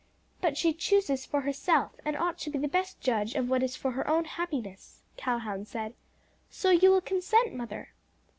"But she chooses for herself, and ought to be the best judge of what is for her own happiness," Calhoun said. "So you will consent, mother?"